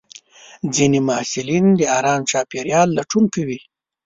ځینې محصلین د ارام چاپېریال لټون کوي.